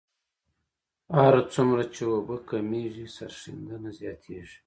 هر څومره چې اوبه کمیږي سریښېدنه زیاتیږي